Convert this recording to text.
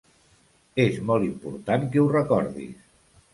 És molt important que ho recordis.